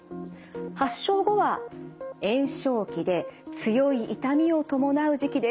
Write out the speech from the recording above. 発症後は炎症期で強い痛みを伴う時期です。